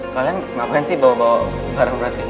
kalian ngapain sih bawa bawa barang barang ke ini